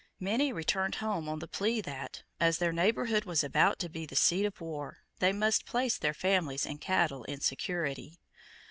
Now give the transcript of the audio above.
Many returned home on the plea that, as their neighbourhood was about to be the seat of war, they must place their families and cattle in security.